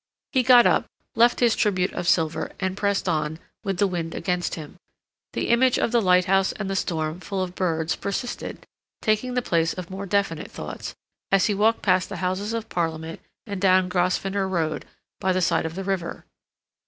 He got up, left his tribute of silver, and pressed on, with the wind against him. The image of the lighthouse and the storm full of birds persisted, taking the place of more definite thoughts, as he walked past the Houses of Parliament and down Grosvenor Road, by the side of the river.